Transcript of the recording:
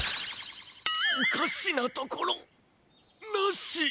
おかしなところなし。